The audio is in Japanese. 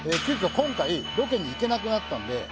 今回ロケに行けなくなったんで。